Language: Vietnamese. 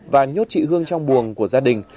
và nhốt chị hương trong buồn của gia đình